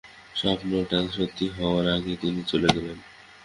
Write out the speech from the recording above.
স্বপ্নটা সত্যি হওয়ার আগেই তিনি চলে গেলেন।